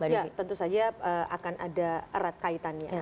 ya tentu saja akan ada erat kaitannya